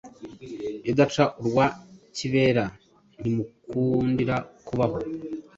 idaca urwa kibera ntimukundira kubaho!”